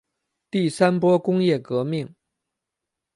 第三波工业革命